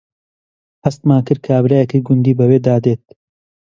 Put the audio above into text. هەستمان کرد کابرایەکی گوندی بەوێدا دێت